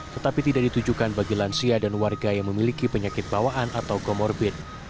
tetapi tidak ditujukan bagi lansia dan warga yang memiliki penyakit bawaan atau komorbid